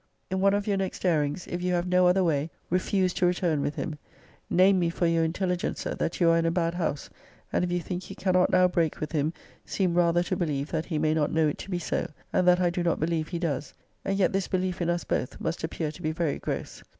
In one of your next airings, if you have no other >>> way, refuse to return with him. Name me for your intelligencer, that you are in a bad house, and if you think you cannot now break with him, seem rather >>> to believe that he may not know it to be so; and that I do not believe he does: and yet this belief in us both must appear to be very gross.